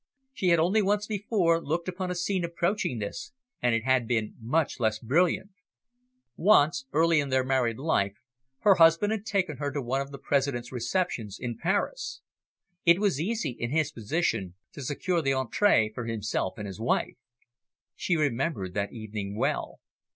She had only once before looked upon a scene approaching this, and it had been much less brilliant. Once, early in their married life, her husband had taken her to one of the President's receptions in Paris. It was easy, in his position, to secure the entree for himself and wife. She remembered that evening well.